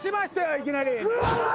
いきなり。